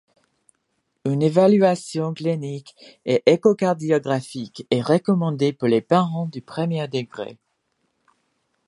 Une évaluation clinique et échocardiographique est recommandée pour les parents de premier degré.